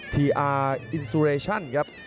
ทีอาร์อินซูเรชั่นครับ